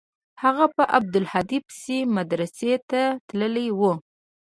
هغه په عبدالهادي پسې مدرسې ته تللى و.